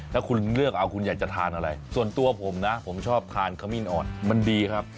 ถ้าคุณเลือกเอาคุณอยากจะทานอะไรส่วนตัวผมนะผมชอบทานขมิ้นอ่อนมันดีครับ